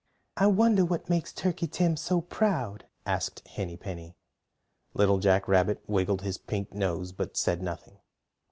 "I wonder what makes Turkey Tim so proud?" asked Henny Penny. Little Jack Rabbit wiggled his pink nose, but said nothing.